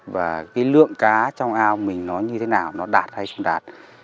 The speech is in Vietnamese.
và cái lượng cá trong ao mình nó như thế nào nó đạt hay không đạt